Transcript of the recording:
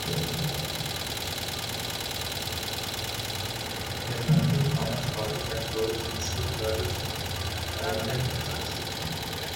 His uncle Thomas Gawdy had close links to Earl Arundel himself.